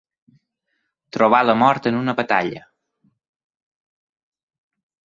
Trobar la mort en una batalla.